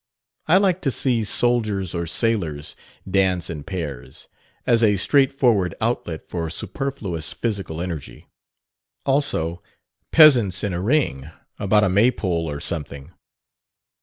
I like to see soldiers or sailors dance in pairs, as a straightforward outlet for superfluous physical energy. Also, peasants in a ring about a Maypole or something.